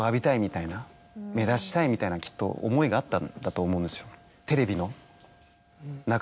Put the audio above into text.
みたいなきっと思いがあったんだと思うんですよ。